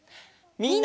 みんな！